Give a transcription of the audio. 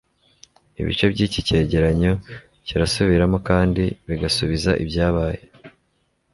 ibice by'iki cyegeranyo kirasubiramo kandi bigasubiza ibyabaye